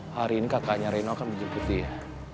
hari ini kakaknya reno akan menjemput dia